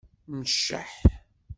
Mceḥ.